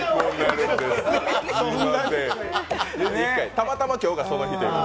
たまたま今日がその日って。